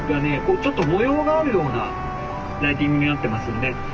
ちょっと模様があるようなライティングになってますよね。